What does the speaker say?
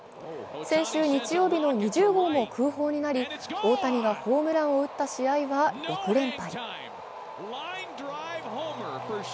先週日曜日の２０号も空砲になり大谷がホームランを打った試合は６連敗。